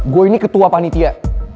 gue ini ketua panitia